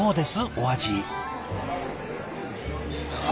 お味。